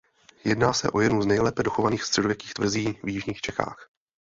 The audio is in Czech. Jedná se o jednu z nejlépe dochovaných středověkých tvrzí v jižních Čechách.